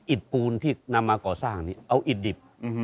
อิตบูลที่นำมาก่อสร้างนี้เอาอิตดิบ